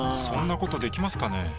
そんなことできますかね？